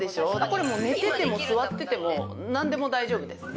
これもう寝てても座ってても何でも大丈夫です